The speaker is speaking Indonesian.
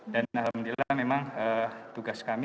dan alhamdulillah memang tugas kami